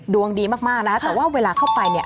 ดวงดีมากนะแต่ว่าเวลาเข้าไปเนี่ย